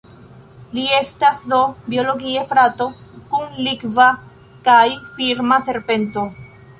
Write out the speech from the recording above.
Li estas do "biologie" frato kun Likva kaj Firma serpento.